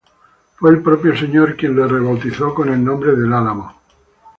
Fue el propio señor quien la rebautizó con el nombre de El Álamo.